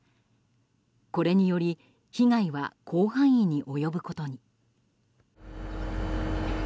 これにより被害は広範囲に及ぶことに。